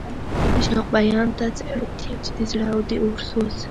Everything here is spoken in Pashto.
د شوق بیان ته څه اړتیا چې د زړه د اور سوز.